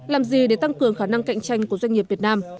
làm gì để tăng cường khả năng cạnh tranh của doanh nghiệp việt nam